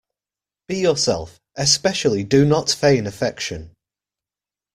Be yourself. Especially do not feign affection.